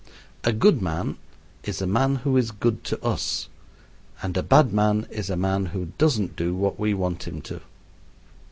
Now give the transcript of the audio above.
A good man is a man who is good to us, and a bad man is a man who doesn't do what we want him to.